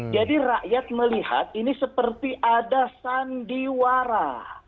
jadi rakyat melihat ini seperti ada sandiwara